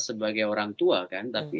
sebagai orang tua kan tapi